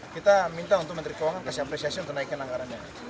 kita minta untuk menteri keuangan kasih apresiasi untuk naikin anggarannya